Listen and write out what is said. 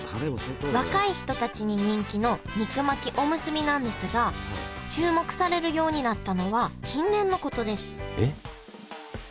若い人たちに人気の肉巻きおむすびなんですが注目されるようになったのは近年のことです